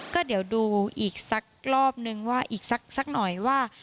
ก็เดี๋ยวดูอีกสักรอบนึงว่าอีกสักหน่อยว่า